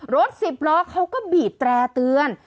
รถ๑๐ล็อคเค้าก็บีบแตรเตือน